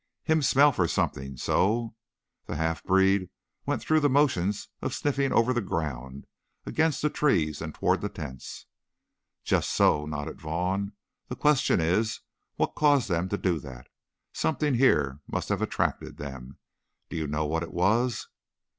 "Him smell for something so." The half breed went through the motions of sniffing over the ground, against the trees, and toward the tents. "Just so," nodded Vaughn. "The question is, what caused them to do that? Something here must have attracted them. Do you know what it was?"